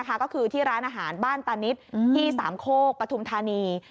ก็คือที่ร้านอาหารบ้านตานิดที่สามโคกปฐุมธานี